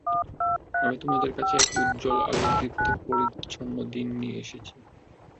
আমি তোমাদের কাছে এক উজ্জ্বল আলোকদীপ্ত পরিচ্ছন্ন দীন নিয়ে এসেছি।